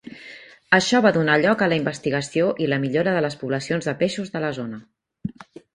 Això va donar lloc a la investigació i la millora de les poblacions de peixos de la zona.